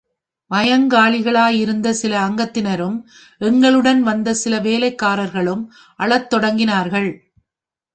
பயங்காளிகளாகயிருந்த சில அங்கத்தினரும், எங்களுடன் வந்த சில வேலைக்காரர்களும் அழத் தொடங்கினார்கள்!